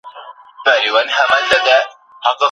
تودې جامې ژمی کې ګټورې دي